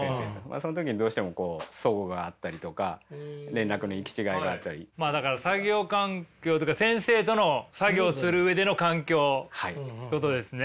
その時にどうしてもこうそごがあったりとかまあだから作業環境というか先生との作業する上での環境ってことですね。